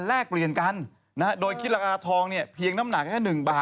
บางที่จริงเราคนนอก่ะ